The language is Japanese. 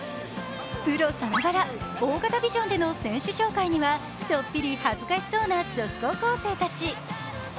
プロさながら、大型ビジョンでの選手紹介にはちょっぴり恥ずかしそうな女子高校生たち。